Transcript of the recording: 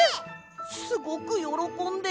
すごくよろこんでる！